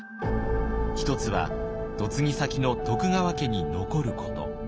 一つは嫁ぎ先の徳川家に残ること。